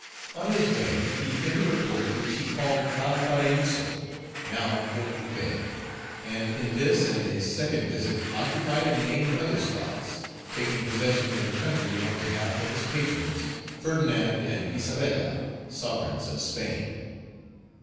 On his way, he entered a port which he called Valparaiso, now Port de Paix; and in this and a second visit occupied and named other spots, taking possession of the country on behalf of his patrons, Ferdinand and Isabella, sovereigns of Spain.